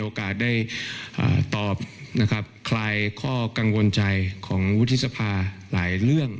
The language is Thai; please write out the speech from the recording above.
ได้ตอบนะครับคลายข้อกังวลใจของวุฒิสภาหลายเรื่อง